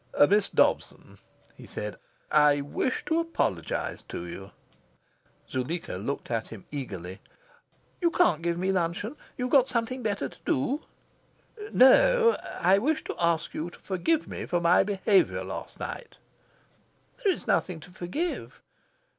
"Miss Dobson," he said, "I wish to apologise to you." Zuleika looked at him eagerly. "You can't give me luncheon? You've got something better to do?" "No. I wish to ask you to forgive me for my behaviour last night." "There is nothing to forgive."